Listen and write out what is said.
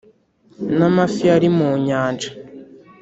n’amafi yari mu nyanja.